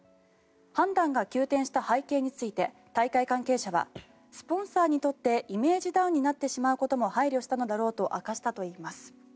判断が急転した背景について大会関係者はスポンサーにとってイメージダウンになってしまうことも配慮したのだろうと明かしたといいます。